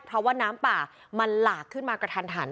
เพราะว่าน้ำป่ามันหลากขึ้นมากระทันหัน